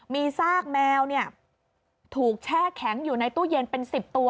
มีซากแมวถูกแช่แข็งอยู่ในตู้เย็นเป็น๑๐ตัว